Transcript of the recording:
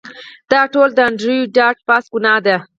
دا ټول د انډریو ډاټ باس ګناه ده